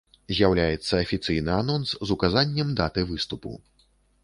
З'яўляецца афіцыйны анонс з указаннем даты выступу.